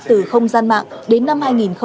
từ không gian mạng đến năm hai nghìn hai mươi